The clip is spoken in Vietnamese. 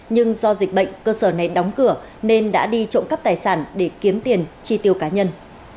nhưng do dịch bệnh cơ sở này đóng cửa nên đã đi trộm cắp tài sản để kiếm tiền chi tiêu cá nhân